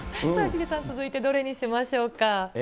さあ、ヒデさん、どれにしましょうか。